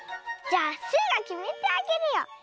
じゃあスイがきめてあげるよ。